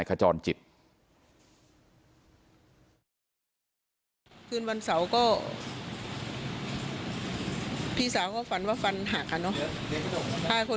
ตลอดทั้งคืนตลอดทั้งคืน